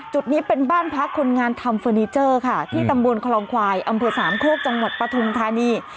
จุดนี้เป็นบ้านพักคนงานทำเฟอร์นิเจอร์ค่ะที่ตำบลคลองควายอำเภอสามโคกจังหวัดปฐุมธานี